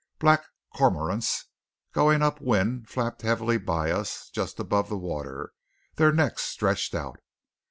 Black cormorants going upwind flapped heavily by us just above the water, their necks stretched out.